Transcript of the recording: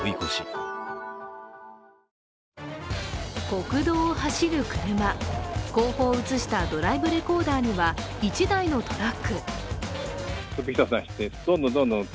国道を走る車、後方を映したドライブレコーダーには１台のトラック。